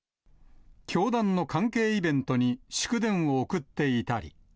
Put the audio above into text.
教団の関係イベントに祝電を送っていたり。